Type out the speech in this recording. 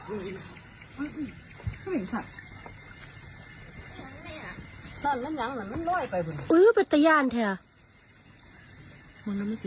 อุ้ยมันคือของน้องนี่